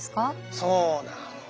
そうなの。